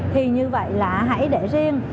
thì như vậy là hãy để riêng